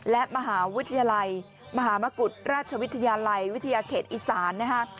และมหาวิทยาลัยมหามกุฎราชวิทยาลัยวิทยาเขตอีสานนะฮะ